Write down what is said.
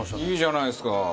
いいじゃないですか！